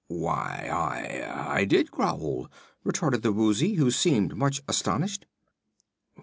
"Why, I I did growl!" retorted the Woozy, who seemed much astonished.